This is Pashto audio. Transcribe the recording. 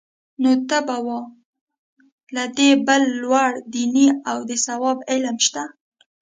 نو ته وا له دې بل لوړ دیني او د ثواب علم شته؟